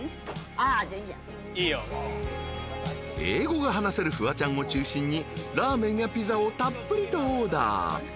［英語が話せるフワちゃんを中心にラーメンやピザをたっぷりとオーダー］